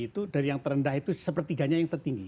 itu dari yang terendah itu sepertiganya yang tertinggi